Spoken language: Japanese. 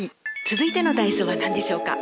続いての体操は何でしょうか？